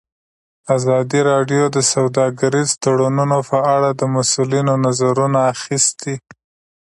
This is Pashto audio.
ازادي راډیو د سوداګریز تړونونه په اړه د مسؤلینو نظرونه اخیستي.